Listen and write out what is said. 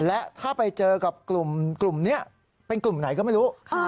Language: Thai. และถ้าไปเจอกับกลุ่มนี้เป็นกลุ่มไหนก็ไม่รู้